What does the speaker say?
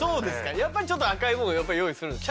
やっぱりちょっと赤いものを用意するんですか？